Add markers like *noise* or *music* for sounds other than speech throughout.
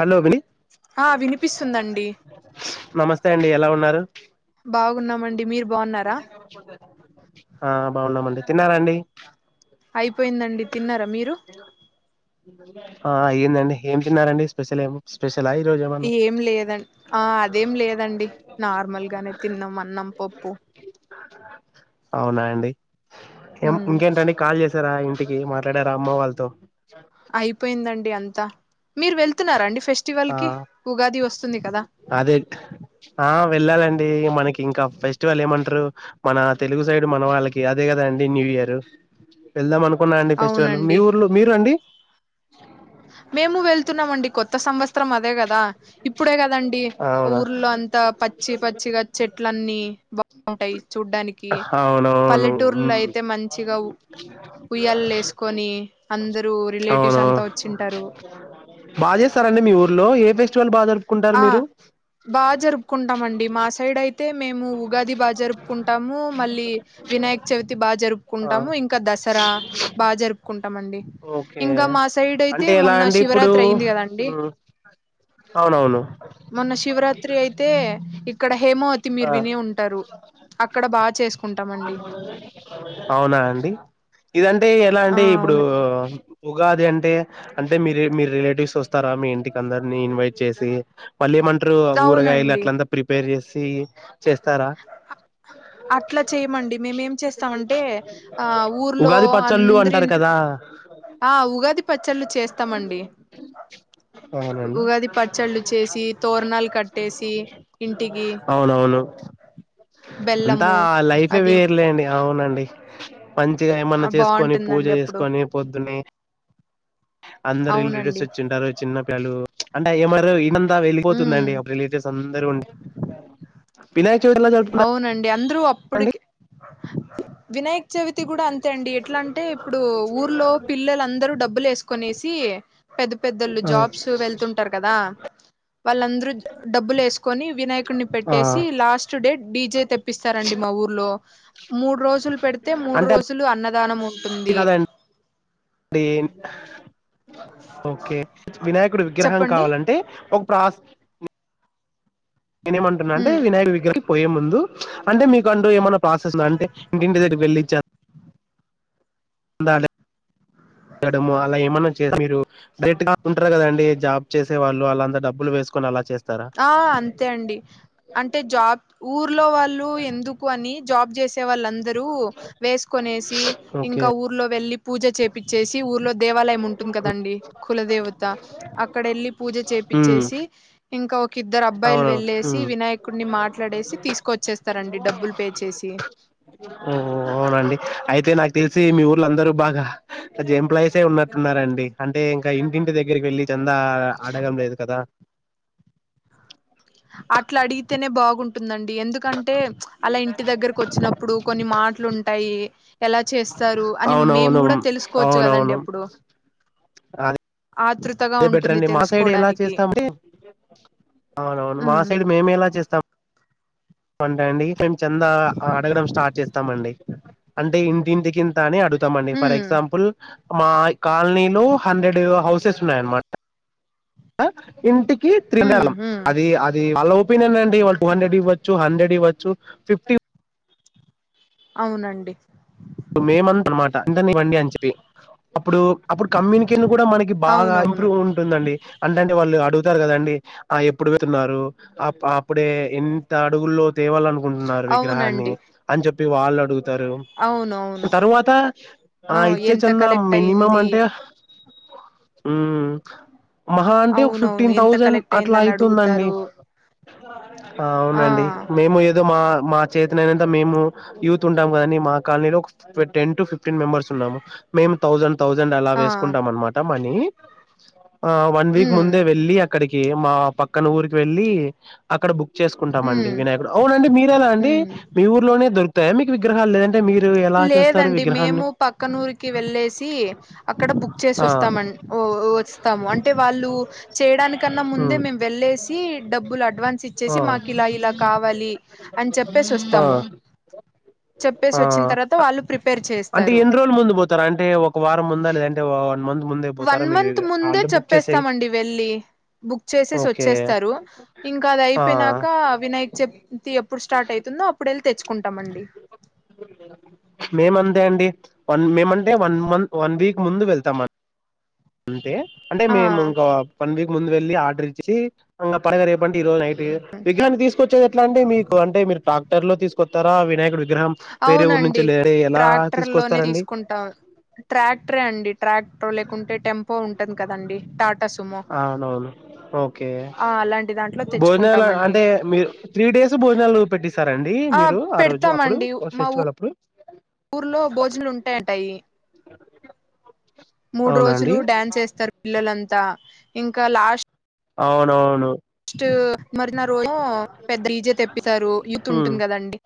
Hello విని ఆ వినిపిస్తుందండి నమస్తే అండి ఎలా ఉన్నారు. బాగున్నామండి మీరు బాగున్నారా ఆ బాగున్నామండి తిన్నారా అండి అయిపోయిందండి తిన్నారా మీరు ఆ అయిందండి ఏం తిన్నారండి స్పెషల్ ఏమో స్పెషల్ ఏం లేదంన్ ఆ అదేం లేదండి నార్మల్గానే తిన్నాం అన్నం పప్పు అవునా అండి *unintelligible* ఉమ్ ఇంకేంటండి కాల్ చేసారా ఇం టికి మాట్లాడార అమ్మ వాళ్ళతో అయిపోయిందండి అం తా మీరు వెళ్తున్నారండి ఆ అదే ఆ వెళ్ళాలండి మనకి ఇంకా ఫెస్టివల్ ఏమంటారు మన తెలుగు సైడ్ మన వాళ్ళకి అదే కదా అండి న్యూ ఇయర్ వెళ్దాం అను కున్నా అండి ఫెస్టివల్ మీ అవునండి ఊర్లో మీరు అండి మేము వెళ్తున్నామండి కొత్ కొత్త సంవత్సరం అదే కదా ఇప్పుడే కదండి అవునా ఊర్లో అంత పచ్చి పచ్చిగా చెట్లన్నీ బా ఉంటాయి చూడ్డానికి అవునవును పల్లెటూర్లో ఉమ్, అయితే మంచిగా ఉయ్యాల వేసుకొని అందరూ అవును రిలేటివ్స్ అంతా వచ్చి బాగా చేస్తారండి మీ ఊరు లో ఏ ఫెస్టివల్ బాగా జరుపుకుంటారు ఆ మీరు బాగా జరుపుకుంటామండి మా సైడ్ అయితే అయితే మేము ఉగాది బాగా జరుపుకుంటాము మళ్ళీ వినాయక చవితి బాగా ఆ జరుపుకుంటాము ఇంకా దసరా బాగా జరుపుకుంటామ అండి ఓకే ఇంకా మా సైడ్ అయితే అంటే ఎలా మొన్న అండి ఇప్పుడు శివరాత్రి అయింది కదండి హ్మ్. అవునవును మొన్న శివరాత్రి అయితే ఇక్కడ హేమవతి ఆ మీరు వినే ఉంటారు అక్కడ బాగా చే అవునా అండి ఇదంటే ఎలా ఆ అంటే ఇప్పుడు అవునండి ఉగాది అన్ టే అంటే మీరె మీరె రిలేటివ్స్ వస్తారా మీ ఇంటికి అందరిని ఇన్వైట్ చేసి మళ్లీ ఏమంట్రరు ఊరగాయలు అవునండి అట్లంతా ప్రిపేర్ చేస ఈ చేస్తారా అట్లా చేయమండి మేము ఏం చేస్తామంటే, ఆ ఊర్లో ఉగాది పచ్చళ్ళు అంటారు అందరింట్ల్ కదా ఆ ఉగాది పచ్చళ్ళు చేస్తామండి, అవునండి ఉగాది పచ్చళ్ళు చేసి తోరణాలు కట్టేసి ఇంటికి బెల్లం ఆ లైఫే వేర్లేండి అవునండి. మంచిగా ఏమన్నా ఆ చేసుకొని, పూజ బాగుంటుందండి అప్పుడు చేసుకొని పొద్దునే అందరు రిల్ రిలెస్ అవునండి వచ్చింటారు, చిన్న పేలు అంటే ఏ మరు ఇనం త ఉమ్ వెళ్లిపోతుందండి అప్ రిలేేటివ్స్ అందరుండి. వినాయ్ చవితి ఎలా జర్ పున అవునండి అందరూ అప్పుటికి వినయ్ చవితి కూడా అంతే అండి ఎట్లాంటే ఇప్పుడు, ఊర్లో పిల్లలందరూ డబ్ బ్బుల్ ఏసుకొనేసి పెద్ద్ పెద్దోలు జాబ్స్ వెళ్తుంటారు కదా వాళ్ళందరూ డబ్బులేస్ కొని వినాయకున్ని ఆ పెట్టేసి, లాస్ స్టుడెడ్ డీజే తెప్పిస్తారండి మా ఊర్ లో మూడు రోజులు పెడ్తే మూడు అంటే రోజులు అన్నదానం ఉంటుంది. డీన్ ఒకే వినాయకుడు విగ్రహం చెప్పండి కావాలంటే ఒ ప్రాస్ నేనేమంటున్నాంటే ఉమ్ వినాయడి విగ్ర కి పోయే ముం డు అంటే మీకంటూ ఏమన్న ప్రాసెస్ ఉంద అంటే ఇంటింటి ద కి వెళ్ళి చ ఉంద డె, డము అలా ఏమన్నా చే మీరు డై ట్ ఉంటారు కదండి, జాబ్ చేసే వాళ్ళు అలాంత డబ్బులు వేసుకొని అలా చే ఆ, అంతే అండి అంటే జాబ్ ఊర్లో వాళ్ళు ఎందుకు అని జాబ్ చేసి వాళ్ళందరూ వేసుకొనేసి ఓకే ఇంకా ఊర్లో వెళ్ళి పూజా చేపిచ్చేసి ఊర్లో దేవాలయం ఉంటుంది కదండి కుల దేవత అక్కడ ఏళ్ళి పూజా ఉమ్ చేపిచ్చేసి ఇంకా ఒ ఇద్దరు అబ్బాయిలు అవును వెళ్లేసి ఉమ్ వినాయకుడిని మాట్లాడేసి తీసుకొచ్చేస్తారండి డబ్బులు పే చేసి ఓ అవునండి అయితే నాకు తెలిసి మీ ఊర్లందరూ బాగా ఎంప్లాయీసే ఉన్నట్టున్నారండి అంటే ఇంకా ఇంటింటి దగ్గరికి వెళ్ళి చెందా ఆ అడగం లేదు కదా అట్లా అడిగితేనే బాగుంటుందన్ ఎందుకంటే చ్ అలా ఇంటి దగ్గరకొచ్చినప్పుడు కొన్ని మాటలుంటాయి ఎలా చేస్తారు అని మేము అవునవును కూడా తెలుసుకోవచ్చు కదండి అవునవును అప్పుడు ఆతృతగా అదే బెటర్ ఉంటుంది అండి మా సైడ్ ఎలా తెలుసుకోవడానికి చేస్తామంటే అవునవును మా ఉమ్ సైడ్ మేమ ఎలా చేస్తాము మంటే అండి మేము చెంద అడగడం స్టార్ట్ చేస్తామండి అంటే ఇంటింటికింత అని అడుగు తమండి ఫర్ ఉమ్ ఎగ్జాంపుల్ మా ఇ కాలనీలో హండ్రెడ్ హౌసెస్ ఉన్నాయన్నమాట ఆ ఇంటి కి త్రిహండ్రెడ్ ఉమ్ ఆళం ఉమ్ అది అది అలో పినానన్ డి వాళ్ళు టూ హండ్రెడ్ ఇవ్వచ్చు హండ్రెడ్ ఇవచ్చు ఫిఫ్టీ అవునండి మేమంత అనమాట ఎంతనా ఇవ్వండి అని చెప్పి అప్పుడు అప్పుడు కమ్యూనికేషన్ కూడా మనకి బాగా అవునవును ఇంప్రూవ్ ఉంటుందండి అంటంటే వాళ్ళు అడుగుతారు కదండి ఆ ఎప్పుడు వెతున్నారు అప్ అప్ ఇప్పుడే ఎంత అడుగుల్లో తేవాలనుకుంటున్నారు విగ్రహాన్ని అవునండి అని చెప్ టి వాళ్ళు అడుగు తరు అవునవును తరువాత ఆ ఇచ్చే ఎంత చందా కలెక్ట్ మినిమం అయింది అంటే ఉమ్ మహా అంటే ఒక అవునవును ఫిఫ్టీన్ ఎంత థౌజండ్ కలెక్ట్ అట్లా అయిందని అయితుందండి అడుగుతారు బ ఆ అవునండి మేము ఏదో మా మా చేతనై నంతా మేము యూత్ ఉంటాం కదాని మా కాలనీలో టెన్ టు ఫిఫ్టీన్ మెంబర్స్ ఉన్నాము మేము థౌజండ్ థౌజండ్ అలా ఆ వేసుకుంటాం అనమాట మనీ ఆ వన్ వీక్ ఉమ్ ముందే వెళ్ళి అక్కడికి మా పక్కన ఊరికి వెళ్ళి అక్కడ బ చేసుకుంటామండి ఉమ్ వినాయకుడు అవునండి మీర ఎలా అండి ఉమ్ మీ ఊర్లోనే దొర్ తహమిక విగ్రహాలయని మీరు ఎలా చేస్తారు లేదండి మేము విగ్రహాన్ని పక్కనూరుకి వెళ్ళేసి అక్కడ బుక్ చేసి ఆ వస్తాము వస్తాము అంటే వాళ్ళు చేయడానికన్నా ముందే ఉమ్ మేము వెళ్ళేసి డబ్బులు అడ్వాన్స్ ఇచ్చేసి ఆ మాకు ఇలా ఇలా కావాలి అని చెప్పేసి ఆ వస్తాము చెప్పేసి వ వచ్చ ఆ తర్వాత వాళు ప్రిపేర్ అంటే ఎన్ని రోజులు ముందు పోతారుా అంటే ఒక వారం ముందా లేదంటే ముంద వన్ మంత్ ముందే చెప్పేస్తామండి వెళ్ళి బుక్ చేసేసి ఓకే వచ్చేస్తారు ఇంకా అది ఆ అయిపోయినాక అ విినయక్ చెప్ి ఎప్పుడు స్టార్ట్ అవుతుందో అప్పుడు వెళ్ళి తెచ్చుకో మేము అంతే అండి వన్ మేమంటే వన్ మంత్ వన్ వీక్ ముందు వెళ్తాంని అంతే అంటే ఆ మేము ఇంకా పనిపి ముందు వెళ్లి ఆడరించి అ పడగర ఈ రజు విగహన్ని తీసుకొచ్చది ఎట్లా అంటే మీకు అంటే మీరు తా ర్ లో తీసుకొస్తారా వియకుడు అవునండి ట్రాక్టర్ లోనే తీసుకొస్తారండి తీసుకుంటాం ట్రాక్టరే అండి ట్రాక్టర్ లేకుంటే టెంపో ఉం ంది కదండి త అవునవును ఓకే ఆ అలాంటి దాంట్లో భోజనాలు తెచ్చుకుంటామండి అంటే మీరు త్రీ డేస్ భోజనాలు పెట్టిస్తారంండి అండి మీరు ఆ రోజు అప్పుడు పెడతామండి మా ఫెస్టివల్ అప్పుడు ఊర్లో భోజనాలు ఉంటాయంటాయి మూడు అవునా అండి రోజులు డ్యాన్స్ వేస్తారు పిల్లలంతా ఇంకా లాస్ట్ అవునవును మరిిన రోజ పెద్ద ఈజ తె స్తారు యూత్ ఉమ్ ఉంటుంది కదండి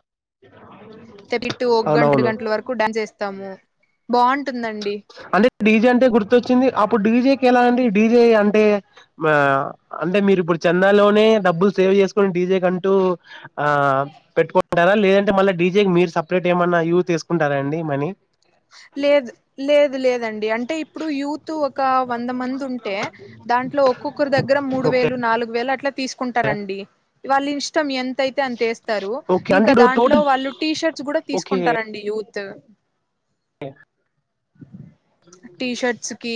తెప్ప ఇట్టు ఒక గంట అవునవును గంటల వరకు డ్యాన్స్ వేస్తాము అంటే డీజే అంటే గుర్తొచ్చింది అప్పుడు డీజే ఎలా అండి డీజే అంటే అంటే మీరు ఇప్పుడు చెన్నై లోనే డబ్బులు సేవ్ చేసుకుొని డీజే క అంటూ ఆ పెట్టుకుంటారా లేదంటే మళ్ళీ డీజే మీరు సపరేట్ ఏమన్నా యూ్ తీసుకుంటారా అండి మనీ లేదు లేదు లేదండి అంటే ఇప్పుడు యూత్ ఒక వంద మంది ఉంటే దాంట్లో ఒక్కొక్కరు దగ్గర మూడు ఓకే వేలు నాలుగు వేలు అ తీసుకుంటారంండి ఇవాళ ఇ ఇంకం ఎంతయితే అంతేస్తారు ఓకే అంటే ఇంకా ఇప్పుడు దాంట్లో టోటల్ వాళ్ళు టీ షర్ట్స్ గూడా ఓకే తీసుకుంటారండి యూత్. త్త టీషర్ట్స్ కి,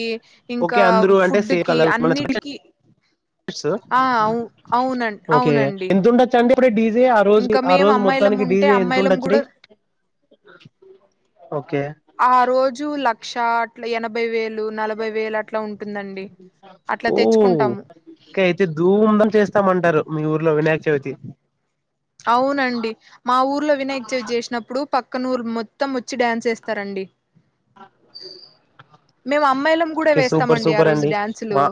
ఓకే ఇంకా అందరూ అంటే ఫుడ్ సేమ్ కి, కలర్ అన్నిటికిీ. ఓకే అవునండి ఎంతుండచ్చండి ద డీల్ దె ఆ రోజు ఇంకా ఆ మేము రోజు అమ్మాయిలం మొత్తానికి ఉంటే డీజే ఎంత అమ్మాయిలం ఉండచ్చడి కూడా ఓకే. ఆ రోజు ల క్ష అట్ల ఎనభై వేలు నలభై వేలు అట్లా ఉంటుందండి అట్లా ఊమ్ తెచ్చుకుంటాము ఇంకా అయితే దూందం చేస్తామంటారు మీ ఊర్లో వినాయక చవితి అవునండి మా ఊర్లో వినాయక చవితి జేసినప్పుడు పక్కన ఊరు మొత్తం ఒచ్చి డ్యాన్స్ ఏస్తారండి. ఆ మేమ ప్ మీర్ సూపర్ సూపర్ అండి మా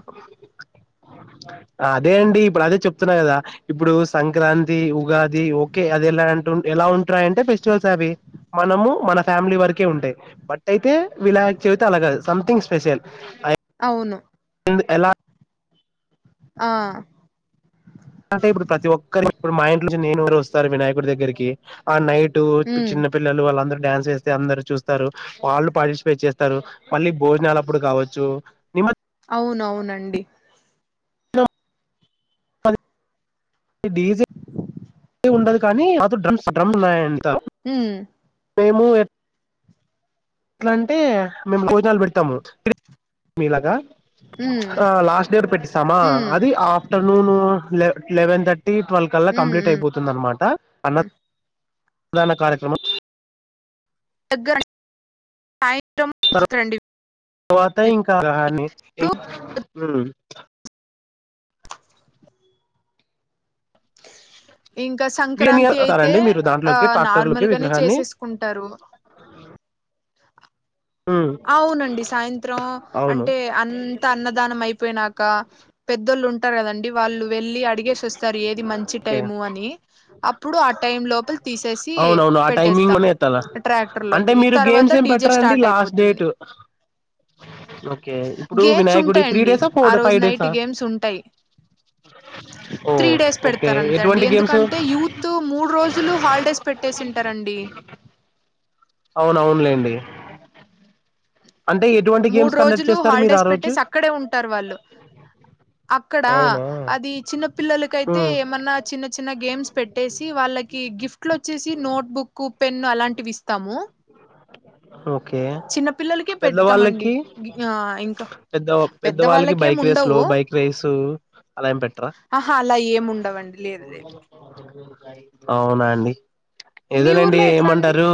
అదే అండి ఇప్పుడు అదే చెప్ ప్తున్న గదా ఇబుడు సంక్రాంతి ఉగాది ఒకే అది ఎలా అంటు ఎలా ఉంట్రయంటే ఫెస్టివల్స్ అవి మనము మన ఫ్యామిలీ వరకే ఉంటయి. బట్ అయితే వినాయక చవితే అలా గాదు సంమ్ థింగ్ స్పెషల్. *inaudible* అవును నువు ఎలా ఆ అంటే ఇప్పుడు ప్రతి ఒక్కరి ఇప్పుడు మా ఇంట్లోంచి నేను గూడ ఒస్తారు వినాయకుడి దగ్గరికి ఆ నైట్ టు ఇప్పు ఉమ్ చిన్న పిల్లలు వాళ్ళందరు డ్యాన్స్ ఏస్తే అందరు చూస్తారు, వాళ్ళు పార్టిసిపేట్ చేస్తారు, మళ్ళీ భోజనాలు అప్పుడు కావచ్చు. నిమ అవునవునండి అది డీజే ఉండదు కానీ మాకు డ్రమ్స్ డ్రమ్ ఉన్నాయంత. ఊ మేము ఎప్ ట్లంటే మేము భోజనాలు పెడతాము మి మీలాగా ఉమ్ ఆ లాస్ట్ డే పెట్టిస్తామా ఉమ్ అది ఆఫ్టర్నూనును లె లెవెన్ త టీ ట్వెల్ కల్లా కంప్లీట్ ఉమ్ అయిపోతుంది అనమాట అన్నం దాన కార్యక్రమం దగ్గర రాయే *inaudible* వాట్ అంతే ఇంకా గాని ఇం హ్మ్ ఇంకా క్లీన్ సంక్రాంతి అయితే చేస్తారండి మీరు ఆ దాంట్లోకి ట్రాక్టర్లకి నార్మల్గనే విగ్రహాన్ని చేసేసుకుంటారు. ఉమ్ అవునండి సాయంత్రం అవును అంటే అంత అన్నదానం అయిపోయినాక పెద్దోళ్ళు ఉం టరు. కదండి వాళ్ళు వెళ్ళి అడిగేస్ వస్తారు ఏది మంచి ఓకే టైము అని అప్పుడు ఆ టైం లోపల తీసేసి అవునవును ఆ టైమింగ్ లోనే పెట్టేస్తాము. ఎత్తాలా ట్రాక్టర్ లోకి తర్వాత డీజె స్టార్ట్ అయిపో డేటు ఓకే. ఇప్పుడు గేమ్స్ వినాయకుడి త్రీ ఉంటాయండి డేసా ఆ ఫోర్ రోజు ఫైవ్ నైట్ డేసా గేమ్స్ ఉంటాయి ఓ త్రీ డేస్ ఓకే పెడ్తారంతే అండి ఎటువంటి గేమ్స్ ఎందుకంటే యూత్ మూడు రోజులు హాలిడేస్ పెట్టేసింటారండి. అవునవునులేండి మూడు రోజులు చేస్తారు మీరు ఆ హాలిడేస్ రోజు పెట్టేసి అక్కడే ఉంటారు వాళ్ళు. అక్కడ అవునా అది చిన్న పిల్లలకైతే ఉమ్ ఏమన్నా చిన్న చిన్న గేమ్స్ పెట్టేసి వాళ్ళకి గిఫ్ట్లు వచ్చేసి నోట్ బుక్, పెన్ అలాంటివి ఇస్తాము. ఓకే చిన్న పిల్లలకే పెడతామండి పెద్దవాళ్ళకి ఆ ఇంకా పెద్ద పెద్ద పెద్దవాళ్ళకి వాళ్ళకేం బైక్ రేస్లో ఉండవు బైక్ రేస్ అలా ఏం పెట్టరా ఆహా అలా ఏం ఉండవండి లేదు లేదు అవునా అండి మీ ఏదోలేండి ఊర్లో ఎట్లా అండి ఏమంటారు.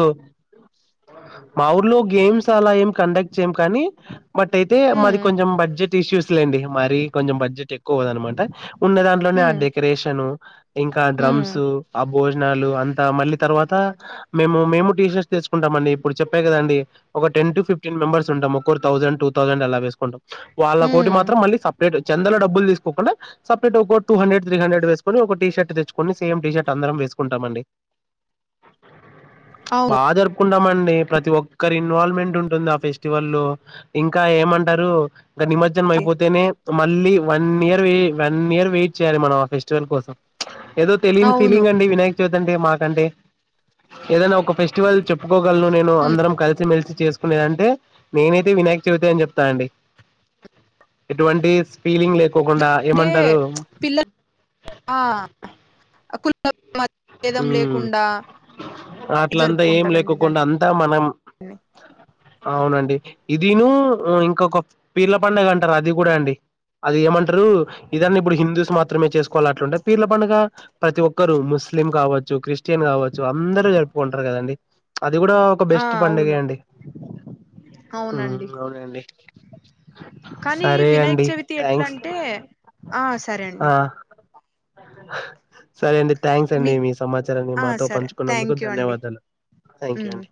మా ఊర్లో గేమ్స్ అలా ఏం కండక్ట్ చేయం కాని బట్ అయితే మాది హ్మ్ కొంచం బడ్జెట్ ఇషూస్లెండి. మరి కొంచెం బడ్జెట్ ఎక్కువ కాదన్నమాట ఉన్న దాంట్లోనే ఆ హ్మ్ డెకరేషను ఇంకా ఆ హ్మ్ డ్రమ్స్ ఆ భోజనాలు అంతా మళ్ళీ తర్వాత మేము మేము టీషట్స్ తెచ్చుకుంటాంమండి. ఇప్పుడు చెప్పే కదండి ఒక టెన్ టు ఫి్టీన్ మెంబర్స్ ఉంటం ఒక్కోరు తౌసండ్, టూ తౌసండ్ అలా వేస్కుంటం వాళ్ళ కోటి హ్మ్ మాత్రం మళ్ళీ సప్రేట్ చందలో డబ్బులు తీసుకోకుండా సప్రేట్ ఒక టూ హండ్రెడ్, త్రీ హండ్రెడ్ వేసుకొని ఒక టీ షర్ట్ తెచ్చుకొని సేమ్ టీ షర్ట్ అందరం వేసుకుంటామండి. బా అవును జరు కుండ మం ప్రతి ఒక్కర్ ఇన్వాల్వ్మెంట్ ఉంటుంది ఆ ఫెస్టివల్లో ఇంకా ఏమంటరు ఇంకా నిమజ్జనం అయిపోతేనే మళ్ళీ one year one year wait చేయాలి. మనం ఆ ఫెస్టివల్ కోసం ఏదో తెలియని అవును ఫీలింగ్ అండి వినాయక చవితి అంటే మాక్ అంటే ఏదైనా ఒక ఫెస్టివల్ చెప్పుకో ను నేను అందరం కల్సి మెల్సి చేసుకునేదంటే నేనైతే వినాయక చవితే అని చెప్తానండి ఎటువంటి ఫీలింగ్ లేదు. కోకుండా అంటే ఏమంటారు పిల్లలు ఆ *inaudible* భేదం మ్ లేకుండా అట్లంతా ఏం జరుపుకుంటారండి లేకోకుండా అంతా మనం దాన్ని అవునండి ఇదీను ఇంకొక పీర్ల పడుగ అంటారు అది గుడా అండి అది ఏమం అసలు ఇదాన్ని ఇప్పుడు హిందూస్ మాత్రమే చేసుకోవాలి అట్లాంటే పీర్ల పండుగ ప్రతి ఒక్కరు ముస్ ముస్లిం కావచ్చు క్రిస్టియన్ కావచ్చు అందరూ జరుపుకుంటారు కదండి అది కూడా ఒక ఆ బెస్ట్ పండగే అవును అండి అవునండి అవునండి కానీ సరే వినాయక అండి చవితి ఎట్లా థ్యాంక్స్ అంటే ఆ సరే అండి సరే అండి థ్యాంక్ అండి మీ సమాచారాన్ని ఆ మాతో సరే పంచుకున్నందుకు థ్యాంక్ యూ అండి ధన్యవాదాలు థ్యాంక్ యూ ఉమ్ అండి